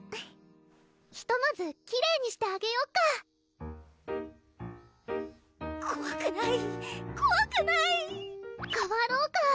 ひとまずきれいにしてあげよっかこわくないこわくない代わろうか？